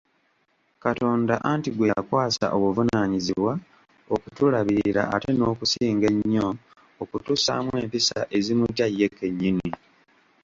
Katonda anti gwe yakwasa obuvunaanyizibwa okutulabirira ate n'okusinga ennyo okutussaamu empisa ezimutya ye kennyini.